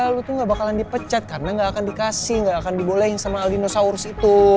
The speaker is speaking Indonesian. lu tuh ga bakalan dipecat karena ga akan dikasih ga akan dibolehin sama aldino saurus itu